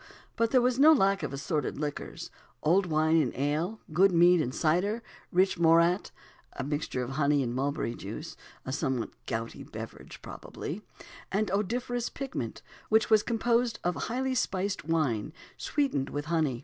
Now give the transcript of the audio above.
But there was no lack of assorted liquors old wine and ale, good mead and cider, rich morat (a mixture of honey and mulberry juice, a somewhat gouty beverage, probably), and odoriferous pigment which was composed of highly spiced wine, sweetened with honey.